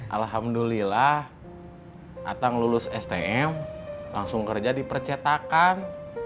alhamdulillah atang lulus stm langsung kerja di percetakan